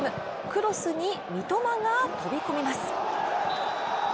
クロスに三笘が飛び込みます。